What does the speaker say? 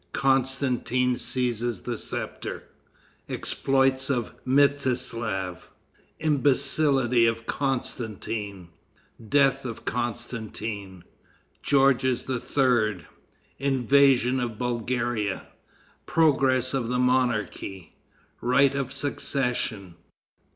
Constantin Seizes the Scepter. Exploits of Mstislaf. Imbecility of Constantin. Death of Constantin. Georges III. Invasion of Bulgaria. Progress of the Monarchy. Right of Succession.